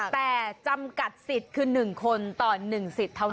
แต่จำกัดสิทธิ์คือ๑คนต่อ๑สิทธิ์เท่านั้น